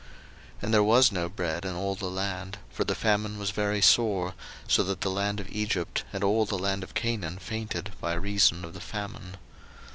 01:047:013 And there was no bread in all the land; for the famine was very sore, so that the land of Egypt and all the land of Canaan fainted by reason of the famine.